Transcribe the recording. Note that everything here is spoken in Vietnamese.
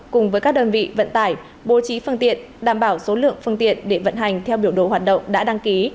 cùng với các đơn vị vận tải bố trí phương tiện đảm bảo số lượng phương tiện để vận hành theo biểu đồ hoạt động đã đăng ký